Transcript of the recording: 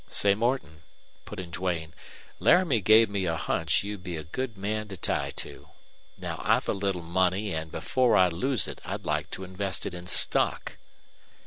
"Say, Morton," put in Duane, "Laramie gave me a hunch you'd be a good man to tie to. Now, I've a little money and before I lose it I'd like to invest it in stock."